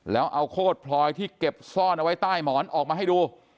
แล้วเอาโคตรพลอยที่เก็บซ่อนเอาไว้ใต้หมอนออกมาให้ดู